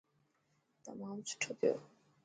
تمام سٺو ٿيو.